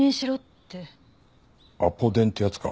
アポ電ってやつか。